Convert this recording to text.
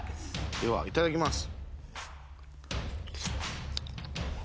ではいただきます。